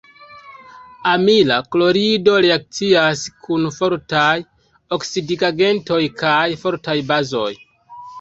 Amila klorido reakcias kun fortaj oksidigagentoj kaj fortaj bazoj.